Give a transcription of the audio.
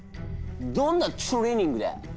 どんなトレーニングだ？